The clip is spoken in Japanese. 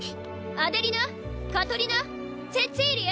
アデリナカトリナツェツィーリエ！